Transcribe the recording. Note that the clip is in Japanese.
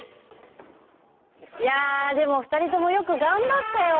いやでも２人ともよく頑張ったよ。